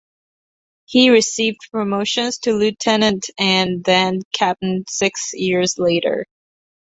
He received promotions to lieutenant and then captain six years later.